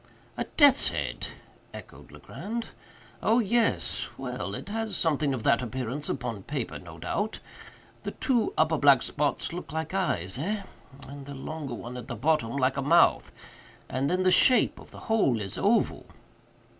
"A death's head!" echoed Legrand. "Oh—yes—well, it has something of that appearance upon paper, no doubt. The two upper black spots look like eyes, eh? and the longer one at the bottom like a mouth—and then the shape of the whole is oval."